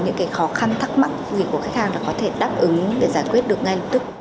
những cái khó khăn thắc mắc gì của khách hàng là có thể đáp ứng để giải quyết được ngay lập tức